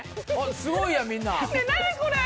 すごいやんみんな。